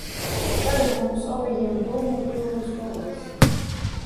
Tagad mums obejim dūmu pylnys golvys.